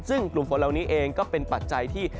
ซึ่งกลุ่มฝนเหล่านี้เองก็เป็นปัจจัยที่